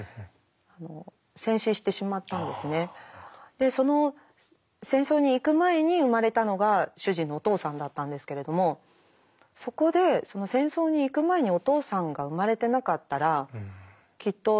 でその戦争に行く前に生まれたのが主人のお父さんだったんですけれどもそこで戦争に行く前にお父さんが生まれてなかったらきっと主人は生まれてないしもしかしたらこの命のバトンは